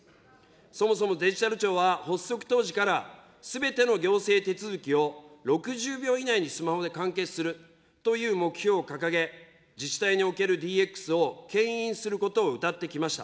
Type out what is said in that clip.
そもそもデジタル庁は発足当時から、すべての行政手続きを６０秒以内にスマホで完結するという目標を掲げ、自治体におけるＤＸをけん引することをうたってきました。